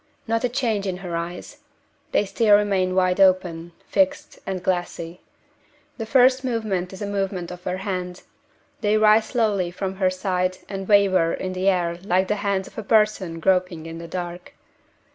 Not a change in her eyes; they still remain wide open, fixed and glassy. The first movement is a movement of her hands. They rise slowly from her side and waver in the air like the hands of a person groping in the dark.